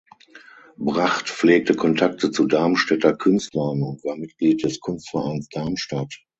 Bracht pflegte Kontakte zu Darmstädter Künstlern und war Mitglied des Kunstvereins Darmstadt.